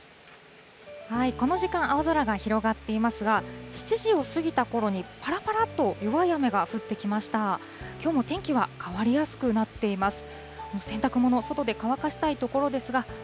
この時間、青空が広がっていますが、７時を過ぎたころに、ぱらぱらっと弱い雨が降ってきました。